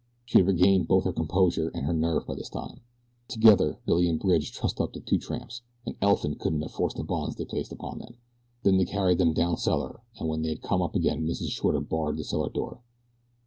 She had regained both her composure and her nerve by this time. Together Billy and Bridge trussed up the two tramps. An elephant couldn't have forced the bonds they placed upon them. Then they carried them down cellar and when they had come up again Mrs. Shorter barred the cellar door.